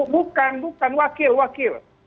bukan bukan wakil wakil